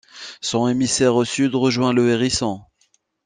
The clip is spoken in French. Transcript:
Son émissaire au sud rejoint le Hérisson.